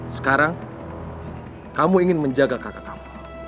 sekarang kamu ingin menjaga kakak kamu